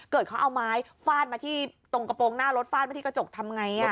เกิดเขาเอาไม้ฟาดมาที่ตรงกระโปรงหน้ารถฟาดมาที่กระจกทำไง